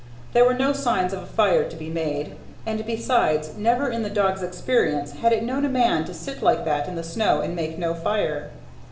There were no signs of a fire to be made, and, besides, never in the dog's experience had it known a man to sit like that in the snow and make no fire.